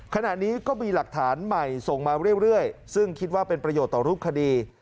ขณะนี้ก็มีหลักฐานใหม่ส่งมาเรื่อยซึ่งคิดว่าเป็นประโยชน์ต่อรูปคดี